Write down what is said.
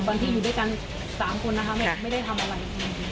ที่อยู่ด้วยกัน๓คนนะคะไม่ได้ทำอะไร